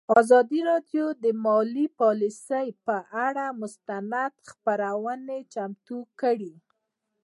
ازادي راډیو د مالي پالیسي پر اړه مستند خپرونه چمتو کړې.